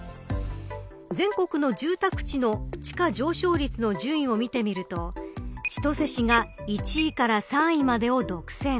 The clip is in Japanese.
全国の住宅地の地価上昇率の順位を見てみると千歳市が１位から３位までを独占。